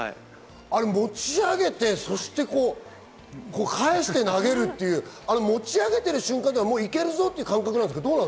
持ち上げて、そして、返して投げるという持ち上げている瞬間、行けるぞという感覚なんですか？